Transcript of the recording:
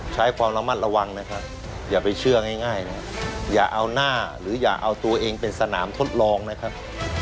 ใช้ความระมัดระวังนะครับอย่าไปเชื่อง่ายนะครับอย่าเอาหน้าหรืออย่าเอาตัวเองเป็นสนามทดลองนะครับ